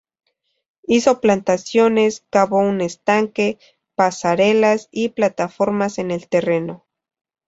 Hizo plantaciones, cavó un estanque, pasarelas y plataformas en el terreno.